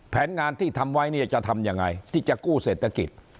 แผนงานที่ทำไว้เนี่ยจะทำยังไงที่จะกู้เศรษฐกิจ